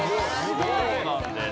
そうなんです。